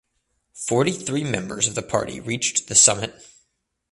Forty three members of the party reached the summit.